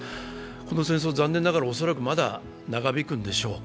この戦争は残念ながら恐らくまだ長引くんでしょう。